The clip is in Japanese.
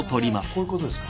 こういうことですか？